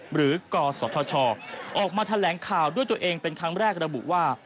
กศธชออกมาแถลงข่าวด้วยตัวเองเป็นครั้งแรกระบุว่า